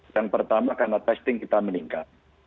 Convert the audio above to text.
yang pertama karena testing kita meningkat